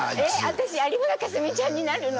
私有村架純ちゃんになるの？」